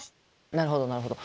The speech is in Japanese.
なるほどなるほど。